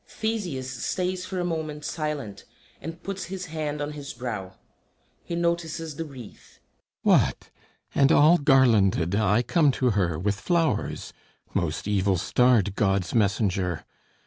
[THESEUS stays for a moment silent, and puts his hand on his brow. He notices the wreath.] THESEUS What? And all garlanded I come to her With flowers, most evil starred God's messenger!